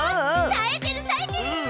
さえてるさえてる！